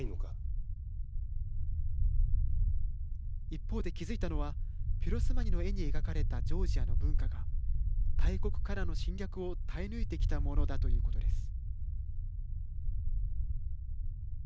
一方で気づいたのはピロスマニの絵に描かれたジョージアの文化が大国からの侵略を耐え抜いてきたものだということです。